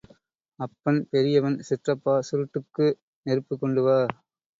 அப்பன் பெரியவன் சிற்றப்பா சுருட்டுக்கு நெருப்புக் கொண்டு வா.